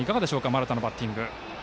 丸田のバッティング。